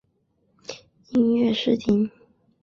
音乐试听